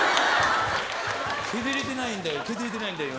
削れてないんだよ。